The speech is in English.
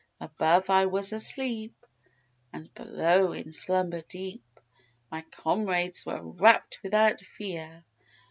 Above I was asleep and below in slumber deep, My comrades were wrapped without fear."